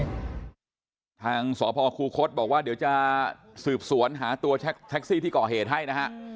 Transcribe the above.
ทางสพคูคศบอกว่าเดี๋ยวจะสืบสวนหาตัวแท็กซี่ที่ก่อเหตุให้นะฮะ